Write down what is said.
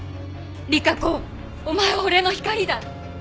「莉華子お前は俺の光だ！」。